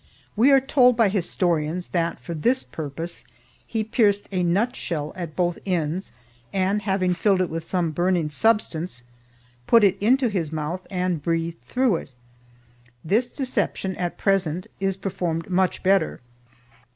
We are told by historians that for this purpose he pierced a nut shell at both ends, and, having filled it with some burning substance, put it into his mouth and breathed through it. This deception, at present, is performed much better.